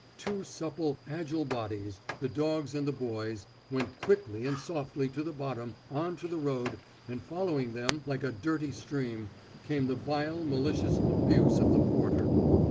Two supple, agile bodies the dog's and the boy's went quickly and softly to the bottom, on to the road, and following them, like a dirty stream, came the vile, malicious abuse of the porter.